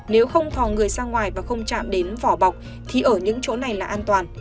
nếu không thò người sang ngoài và không chạm đến vỏ bọc thì ở những chỗ này là an toàn